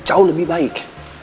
jauh lebih baik